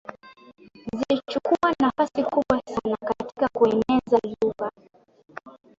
zilichukua nafasi kubwa sana katika kueneza lugha